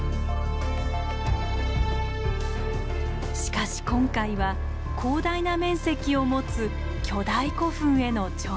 しかし今回は広大な面積を持つ巨大古墳への挑戦。